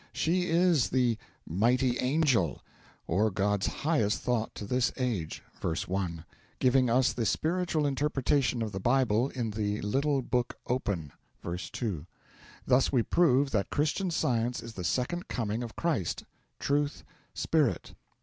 She is the "mighty angel," or God's highest thought to this age (verse 1), giving us the spiritual interpretation of the Bible in the "little book open" (verse 2). Thus we prove that Christian Science is the second coming of Christ Truth Spirit.'